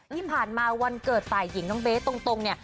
ที่ผ่านมาวันเกิดฝ่ายหญิงน้องเบสตรงเนี่ย